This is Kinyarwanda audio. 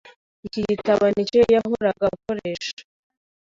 Iki gitabo nicyo yahoraga akoresha?